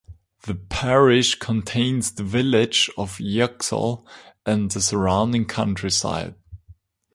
The parish contains the village of Yoxall and the surrounding countryside.